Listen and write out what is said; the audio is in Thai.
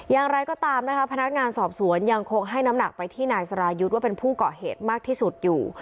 อย่างไรก็ตามนะคะพนักงานสอบสวนยังคงให้น้ำหนักไปที่นายสรายุทธ์ว่าเป็นผู้เกาะเหตุมากที่สุดอยู่